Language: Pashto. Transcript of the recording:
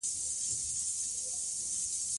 ژبه زموږ د تاریخ ژباړه ده.